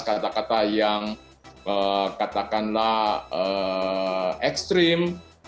kata kata yang katakanlah ekstrim